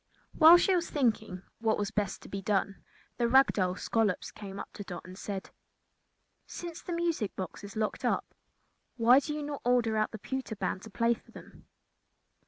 While she was thinking what was best to be done, the rag doll Scollops came up to Dot and said: "Since the music box is locked up, why do you not order out the pewter band to play for them?"